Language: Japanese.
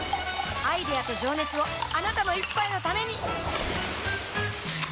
アイデアと情熱をあなたの一杯のためにプシュッ！